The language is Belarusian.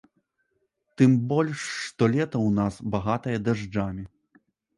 Тым больш, што лета ў нас багатае дажджамі.